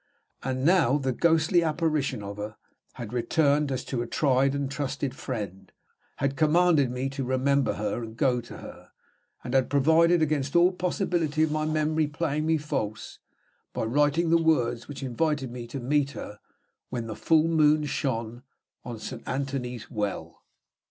And now the ghostly apparition of her had returned as to a tried and trusted friend; had commanded me to remember her and to go to her; and had provided against all possibility of my memory playing me false, by writing the words which invited me to meet her "when the full moon shone on Saint Anthony's Well."